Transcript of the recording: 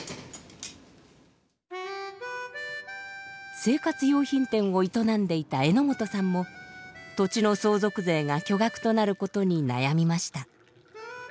生活用品店を営んでいた榎本さんも土地の相続税が巨額となることに悩みました。